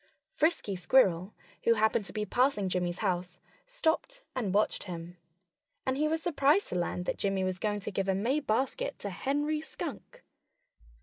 Frisky Squirrel, who happened to be passing Jimmy's house, stopped and watched him. And he was surprised to learn that Jimmy was going to give a May basket to Henry Skunk.